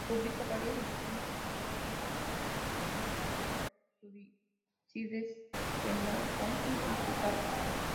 Publicó varias ediciones de escuela de Marco Tulio Cicerón, Tucídides, Jenofonte y Plutarco.